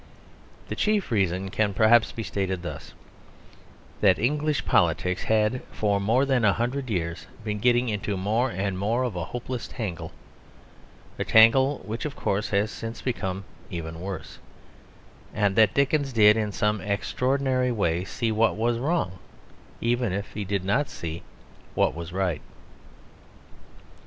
The chief reason can perhaps be stated thus that English politics had for more than a hundred years been getting into more and more of a hopeless tangle (a tangle which, of course, has since become even worse) and that Dickens did in some extraordinary way see what was wrong, even if he did not see what was right.